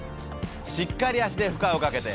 しっかり足で負荷をかけて。